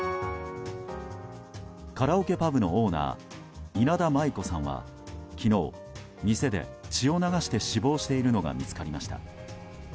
カラオケパブのオーナー稲田真優子さんは昨日、店で血を流して死亡しているのが見つかりました。